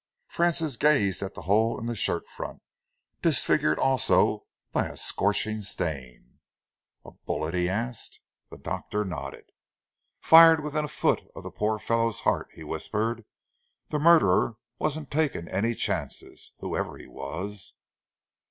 Francis gazed at the hole in the shirt front, disfigured also by a scorching stain. "A bullet?" he asked. The doctor nodded. "Fired within a foot of the poor fellow's heart," he whispered. "The murderer wasn't taking any chances, whoever he was."